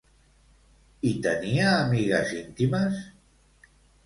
I tenia amigues íntimes?